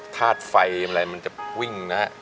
ทาดไฟมันจะวิ่งนะครับ